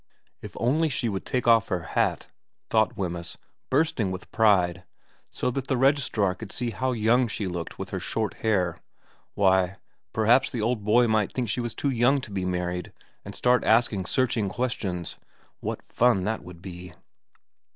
If only she would take off her hat, thought Wemyss, bursting with pride, so that the registrar could see how young she looked with her short hair, why, perhaps the old boy might think she was too young to be married and start asking searching questions ! What fun that would be.